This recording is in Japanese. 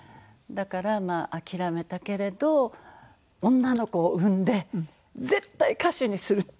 だからまあ諦めたけれど女の子を産んで絶対歌手にする！